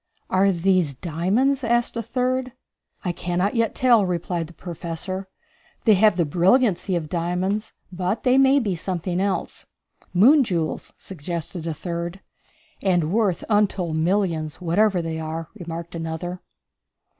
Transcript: "Are these diamonds?" asked a third. "I cannot yet tell," replied the Professor. "They have the brilliancy of diamonds, but they may be something else." "Moon jewels," suggested a third. "And worth untold millions, whatever they are," remarked another.